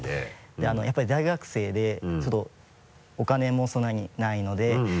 でやっぱり大学生でちょっとお金もそんなにないので。